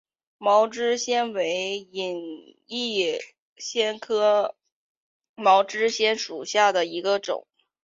毛枝藓为隐蒴藓科毛枝藓属下的一个种。